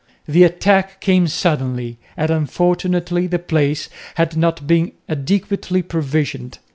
The attack came suddenly, and unfortunately the place had not been adequately provisioned.